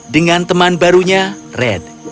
dengan teman barunya red